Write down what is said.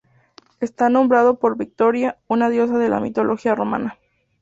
Está nombrado por Victoria, una diosa de la mitología romana.